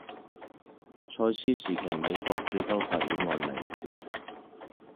蔡斯时期美国最高法院案例列表